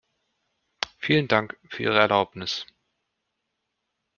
Vielen Dank, für Ihre Erlaubnis.